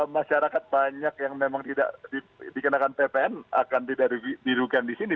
masyarakat banyak yang memang tidak dikenakan ppn akan tidak dirugikan di sini